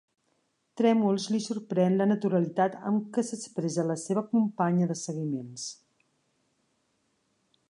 Trèmols li sorprèn la naturalitat amb què s'expressa la seva companya de seguiments.